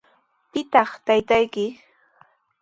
¿Pitaq taytayki?